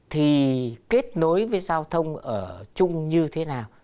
thì kết nối với giao thông ở chung như thế nào